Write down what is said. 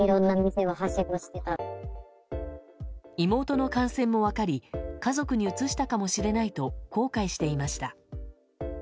妹の感染も分かり家族にうつしたかもしれないと後悔していました。